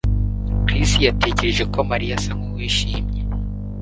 Chris yatekereje ko Mariya asa nkuwishimye